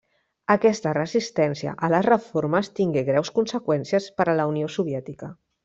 Aquesta resistència a les reformes tingué greus conseqüències per a la Unió Soviètica.